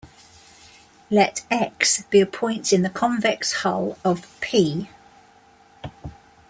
Let x be a point in the convex hull of "P".